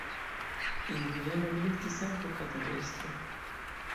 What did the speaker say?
En Vieno li estis ankaŭ katedrestro.